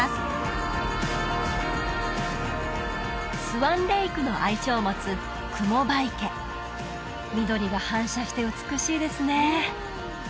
スワンレイクの愛称を持つ雲場池緑が反射して美しいですね